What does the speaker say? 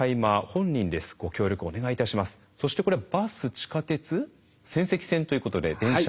そしてこれはバス地下鉄仙石線ということで電車。